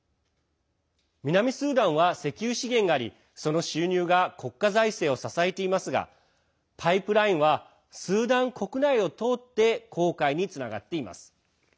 南スーダンは石油資源がありその収入が国家財政を支えていますがパイプラインはスーダン国内を通って紅海につながっています。